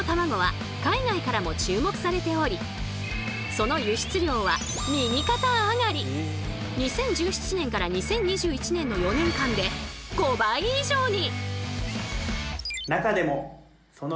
このようにそして今２０１７年から２０２１年の４年間で５倍以上に！